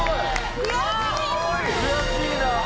悔しいなぁ。